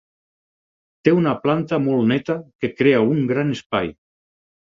Té una planta molt neta que crea un gran espai.